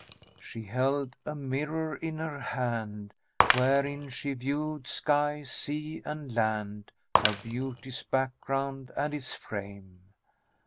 She held a mirror in her hand, Wherein she viewed sky, sea, and land, Her beauty's background and its frame.